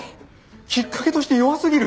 きっかけとして弱すぎる！